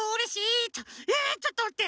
えちょっとまって！